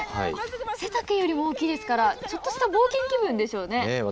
背丈よりも大きいですから、ちょっとした冒険気分でしょうね。